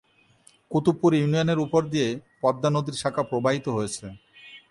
কুতুবপুর ইউনিয়নের উপর দিয়ে পদ্মা নদীর শাখা প্রবাহিত হয়েছে।